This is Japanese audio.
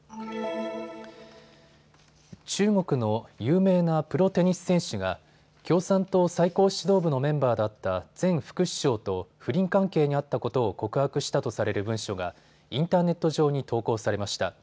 中国の有名なプロテニス選手が共産党最高指導部のメンバーだった前副首相と不倫関係にあったことを告白したとされる文書がインターネット上に投稿されました。